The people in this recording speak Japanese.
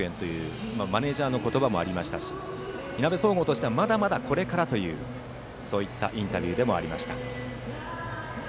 逆転のいなべ総合学園というマネージャーの言葉もありましたしいなべ総合としてはまだまだこれからというそういったインタビューでした。